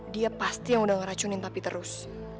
dia pasti yang sudah meracunin papi terus